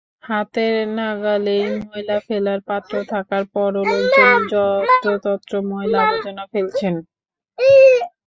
হাতের নাগালেই ময়লা ফেলার পাত্র থাকার পরও লোকজন যত্রতত্র ময়লা-আবর্জনা ফেলছেন।